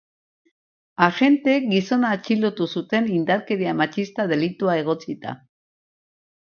Agenteek gizona atxilotu zuten indarkeria matxista delitua egotzita.